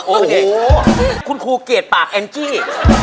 โอเคคุณครูเกลียดปากแองจี้